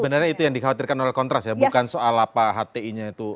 sebenarnya itu yang dikhawatirkan oleh kontras ya bukan soal apa hti nya itu